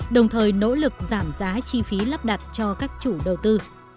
đồng thời nỗ lực giảm giá chi phí lắp đặt cho các chủ đầu tư